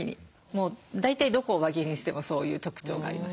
もう大体どこを輪切りにしてもそういう特徴がありますね。